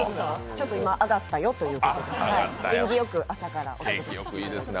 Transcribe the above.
ちょっと今、上がったよってことで縁起よく、朝から。